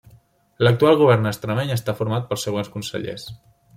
L'actual Govern extremeny està format pels següents consellers.